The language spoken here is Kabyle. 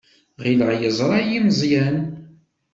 Ɣileɣ yeẓra-iyi Meẓyan.